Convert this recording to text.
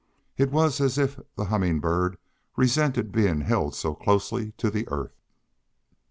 It was as if the Humming Bird resented being held so closely to the earth.